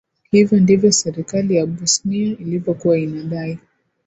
hivyo ndivyo serikali ya bosnia ilivyokuwa inadai